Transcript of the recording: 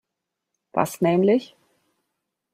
Was nämlich?